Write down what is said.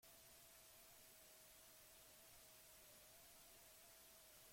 Parean Aramaio eta Arabako lurrak zabaltzen dira.